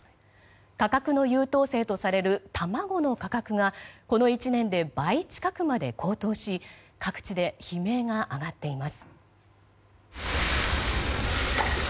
価格の優等生とされる卵の価格がこの１年で倍近くまで高騰し各地で悲鳴が上がっています。